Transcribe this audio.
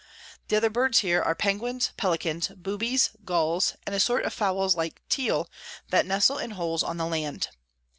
The other Birds here are Penguins, Pellicans, Boobys, Gulls, and a sort of Fowls like Teal, that nestle in holes on the Land.